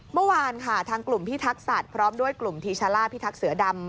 เมื่อวานค่ะทางกลุ่มพิทักษัตริย์พร้อมด้วยกลุ่มทีชาล่าพิทักษ์เสือดำ